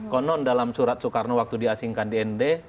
konon dalam surat soekarno waktu diasingkan di nd